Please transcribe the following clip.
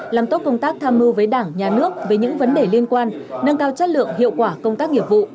làm tốt công tác tham mưu với đảng nhà nước về những vấn đề liên quan nâng cao chất lượng hiệu quả công tác nghiệp vụ